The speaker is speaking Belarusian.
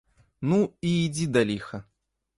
Ну, і ідзі да ліха!